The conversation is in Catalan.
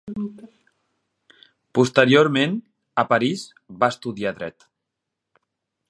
Posteriorment, a París, va estudiar dret.